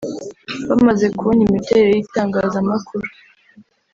bamaze kubona imiterere y’itangazamakuru